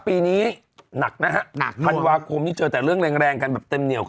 ปีนี้หนักนะฮะหนักธันวาคมนี่เจอแต่เรื่องแรงแรงกันแบบเต็มเหนียว